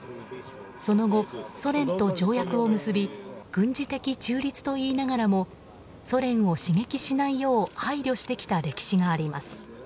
その後、ソ連と条約を結び軍事的中立といいながらもソ連を刺激しないよう配慮してきた歴史があります。